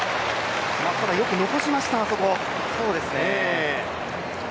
ただ、よく残しました、あそこ。